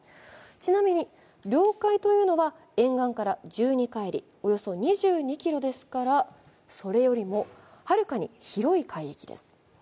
ちなみに領海というのは沿岸から１２海里、およそ２２ｋｍですからそれよりもはるかに広い海域です。